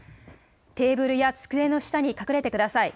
テーブルや机の下に隠れてください。